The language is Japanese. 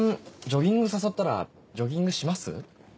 ジョギング誘ったらジョギングします？